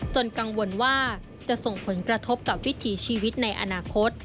กังวลว่าจะส่งผลกระทบกับวิถีชีวิตในอนาคต